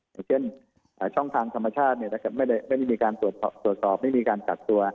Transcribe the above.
อย่างเช่นช่องทางธรรมชาติไม่ได้มีการตรวจสอบไม่มีการกักตัว